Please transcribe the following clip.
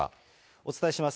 お伝えします。